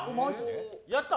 やった。